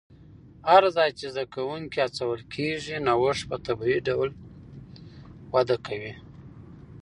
هر ځای چې زده کوونکي هڅول کېږي، نوښت په طبیعي ډول وده کوي.